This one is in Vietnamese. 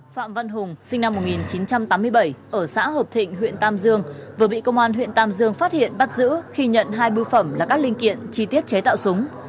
phạm văn hùng sinh năm một nghìn chín trăm tám mươi bảy ở xã hợp thịnh huyện tam dương vừa bị công an huyện tam dương phát hiện bắt giữ khi nhận hai bưu phẩm là các linh kiện chi tiết chế tạo súng